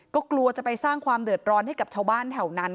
ก็กลัวจะไปสร้างความเดือดร้อนให้กับชาวบ้านแถวนั้น